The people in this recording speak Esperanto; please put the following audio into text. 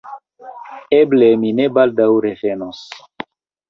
Eble, mi ne baldaŭ revenos.